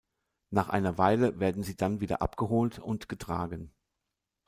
Nach einer Weile werden sie dann wieder abgeholt und getragen.